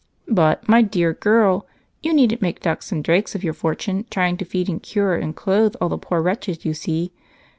"But, my dear girl, you needn't make ducks and drakes of your fortune trying to feed and cure and clothe all the poor wretches you see.